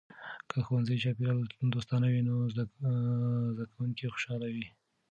که د ښوونځي چاپیریال دوستانه وي، نو زده کونکي خوشحاله وي.